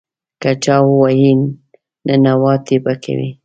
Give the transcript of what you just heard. که چا ووهې، ننواتې به کوې.